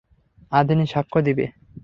আধিনি সাক্ষ্য দিবে।